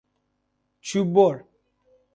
چوب بر